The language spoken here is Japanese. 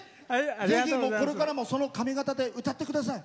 ぜひ、これからもその髪形で歌ってください。